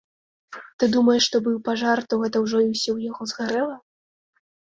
Ты думаеш, што быў пажар, то гэта ўжо і ўсё ў яго згарэла?